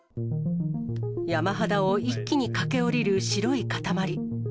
山肌を一気に駆け下りる白い塊。